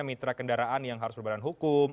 mitra kendaraan yang harus berbadan hukum